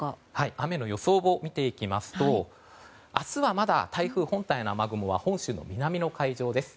雨の予想を見ていきますと明日はまだ台風本体の雨雲は本州の南の海上です。